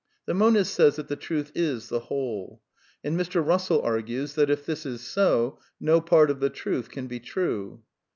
The monist says that the Truth is the Whole. And Mr. Russell argues that, if this is so, no part of the truth can be true.